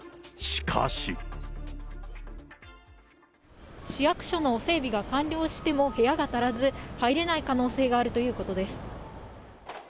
市役所の整備が完了しても部屋が足らず、入れない可能性があるということです。